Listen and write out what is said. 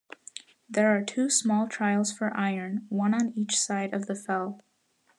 There are two small trials for iron, one on each side of the fell.